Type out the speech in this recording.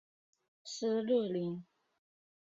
施乐灵。